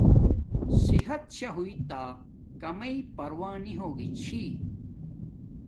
صحت شاہ ہوݵݵ تکامݵ پروا نی ہوگی چھی